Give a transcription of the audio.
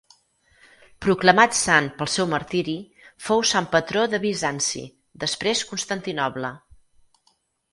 Proclamat sant pel seu martiri, fou sant patró de Bizanci, després Constantinoble.